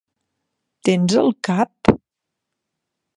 Tens el cap?